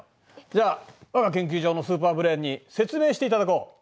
じゃわが研究所のスーパーブレーンに説明していただこう。